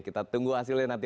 kita tunggu hasilnya nanti